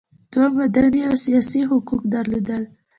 دوی مدني او سیاسي حقوق درلودل.